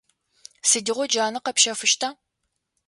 Сыдигъо джанэ къэпщэфыщта?